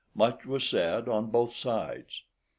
Much was said on both sides.